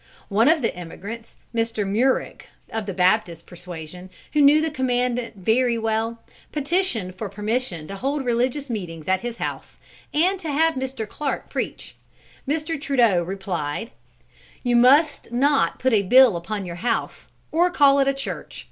One of the emigrants, Mr. Murich, of the Baptist persuasion, who knew the commandant very well, petitioned for permission to hold religious meetings at his house and to have Mr. Clark preach. Mr. Trudeau replied: "You must not put a bill upon your house, or call it a church.